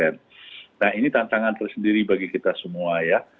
nah ini tantangan tersendiri bagi kita semua ya